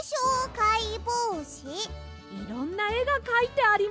いろんなえがかいてあります。